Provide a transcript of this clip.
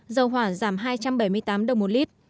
dầu hỏa giảm hai trăm bảy mươi tám đồng một lít